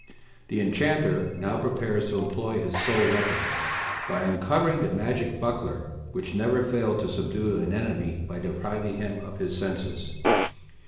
The enchanter now prepares to employ his sole weapon, by uncovering the magic buckler which never failed to subdue an enemy by depriving him of his senses.